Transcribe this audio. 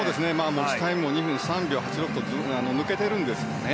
持ちタイムも２分３秒８６と抜けているんですよね。